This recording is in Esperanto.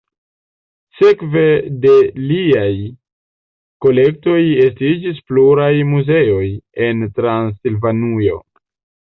Sekve de liaj kolektoj estiĝis pluraj muzeoj en Transilvanujo.